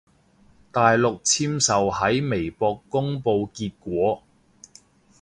大陸簽售喺微博公佈結果